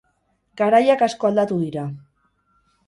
Garaiak asko aldatu dira.